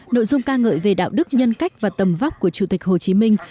nội dung ca ngợi về đạo đức nhân cách và tầm vóc của chủ tịch hồ chí minh